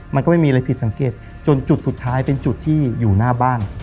มันก็ไม่มีอะไรผิดสังเกตจนจุดสุดท้ายเป็นจุดที่อยู่หน้าบ้าน